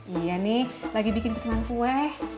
iya nih lagi bikin pesanan kue